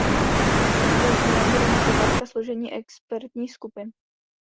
Zazněla tu rovněž otázka složení expertních skupin.